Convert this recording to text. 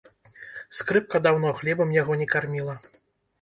Скрыпка даўно хлебам яго не карміла.